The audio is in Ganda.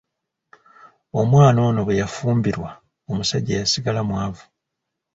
Omwana ono bwe yafumbirwa omusajja yasigala mwavu.